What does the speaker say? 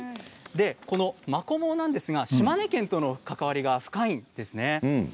このマコモ島根県との関わりが深いんですね。